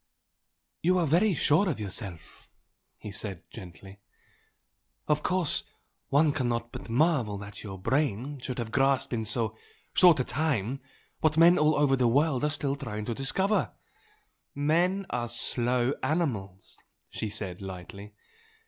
"You are very sure of yourself" he said, gently. "Of course one cannot but marvel that your brain should have grasped in so short a time what men all over the world are still trying to discover " "Men are slow animals!" she said, lightly.